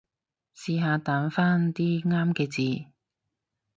試下打返啲啱嘅字